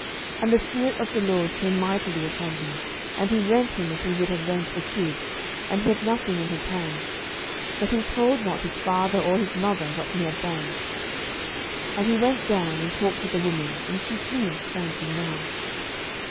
07:014:006 And the Spirit of the LORD came mightily upon him, and he rent him as he would have rent a kid, and he had nothing in his hand: but he told not his father or his mother what he had done. 07:014:007 And he went down, and talked with the woman; and she pleased Samson well.